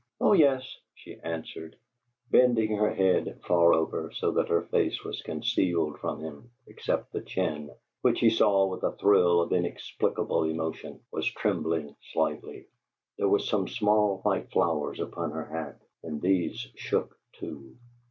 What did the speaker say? "Oh yes," she answered, bending her head far over, so that her face was concealed from him, except the chin, which, he saw with a thrill of inexplicable emotion, was trembling slightly. There were some small white flowers upon her hat, and these shook too.